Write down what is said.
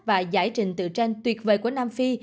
và giải trình tự tranh tuyệt vời của nam phi